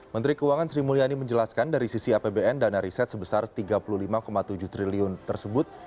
menteri keuangan sri mulyani menjelaskan dari sisi apbn dana riset sebesar rp tiga puluh lima tujuh triliun tersebut